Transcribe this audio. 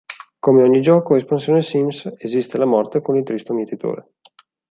Come in ogni gioco o espansione sims esiste la morte con il tristo mietitore.